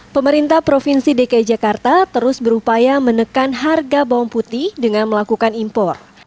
pemerintah provinsi dki jakarta terus berupaya menekan harga bawang putih dengan melakukan impor